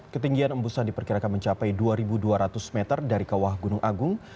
ketinggian embusan diperkirakan mencapai dua dua ratus meter dari kawah gunung agung